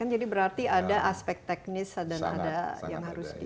berarti ada aspek teknis dan ada yang harus di